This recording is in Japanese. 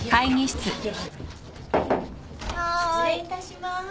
失礼いたします。